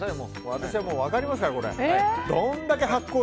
私は分かりますから。